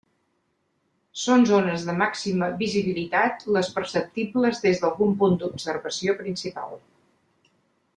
Són zones de màxima visibilitat les perceptibles des d'algun punt d'observació principal.